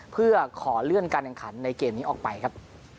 เพื่อขอเลื่อนการแข่งขันในเกมนี้ออกไปครับ